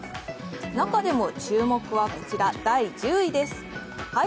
中でも注目は第１０位です。